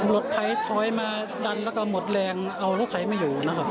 รถไขถอยมาดันแล้วก็หมดแรงเอารถไขไม่อยู่นะครับ